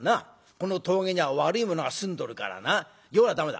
この峠には悪いものが住んどるからな夜は駄目だ。